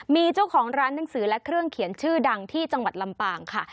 มีเจ้าของร้านหนังสือและเครื่องเขียนชื่อดังที่จังหวัดลำปางค่ะ